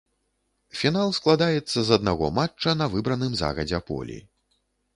Фінал складаецца з аднаго матча на выбраным загадзя полі.